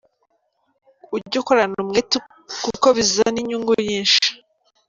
Ujye ukorana umwete kuko bizana inyungu nyinshi.